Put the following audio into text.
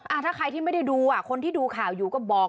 ถ้าใครที่ไม่ได้ดูอ่ะคนที่ดูข่าวอยู่ก็บอก